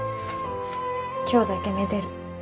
今日だけめでる。